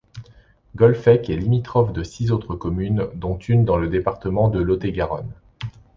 Golfech est limitrophe de six autres communes dont une dans le département de Lot-et-Garonne.